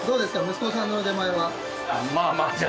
息子さんの腕前は？